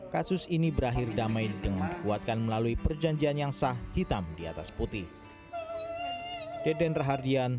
kasus ini berakhir damai dengan dikuatkan melalui perjanjian yang sah hitam di atas putih